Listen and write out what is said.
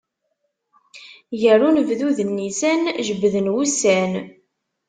Gar unebdu d nnisan jebbden wussan.